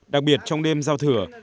đặc biệt trong đêm giao thửa